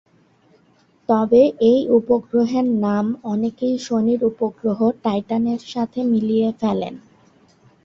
তবে এই উপগ্রহের নাম অনেকেই শনির উপগ্রহ টাইটান-এর সাথে মিলিয়ে ফেলেন।